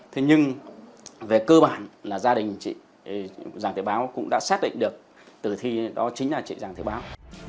thế nhưng về cơ bản là gia đình chị giàng thị báo cũng đã xác định được tử thi đó chính là chị giàng thị báo